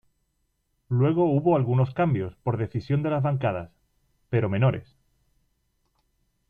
Luego hubo algunos cambios por decisión de las bancadas, pero menores.